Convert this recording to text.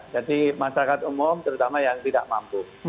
jadi masyarakat umum terutama yang tidak mampu